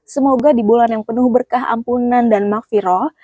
semoga di bulan yang penuh berkah ampunan dan makfiroh